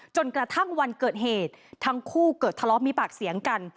จนกระทั่งวันเกิดเหตุทั้งคู่เกิดทะเลาะมีปากเสียงกัน